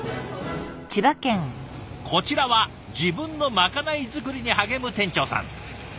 こちらは自分のまかない作りに励む店長さん。